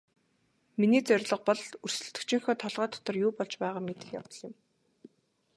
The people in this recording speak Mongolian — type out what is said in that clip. Миний зорилго бол өрсөлдөгчийнхөө толгой дотор юу болж байгааг мэдэх явдал юм.